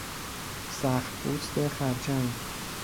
سختپوست خرچنگ